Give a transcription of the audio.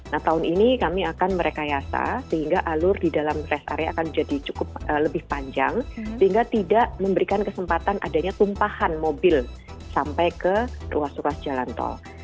nah tahun ini kami akan merekayasa sehingga alur di dalam rest area akan jadi cukup lebih panjang sehingga tidak memberikan kesempatan adanya tumpahan mobil sampai ke ruas ruas jalan tol